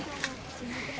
すいません。